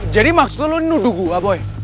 jadi maksud lu nuduh gue boy